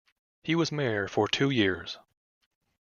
He was Mayor for two years.